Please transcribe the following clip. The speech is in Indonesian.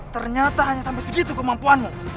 ternyata hanya sampai segitu kemampuanmu